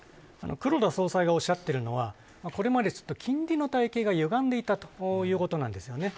黒田総裁がおっしゃっているのはこれまで金利の体系がゆがんでいたということなんですね。